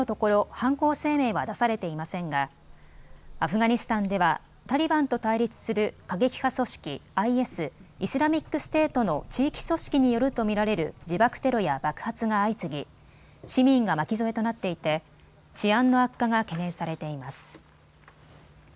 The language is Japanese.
犯行声明は出されていませんがアフガニスタンではタリバンと対立する過激派組織ＩＳ・イスラミックステートの地域組織によると見られる自爆テロや爆発が相次ぎ市民が巻き添えとなっていて治安の悪化が懸念されています。